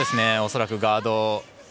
恐らくガード。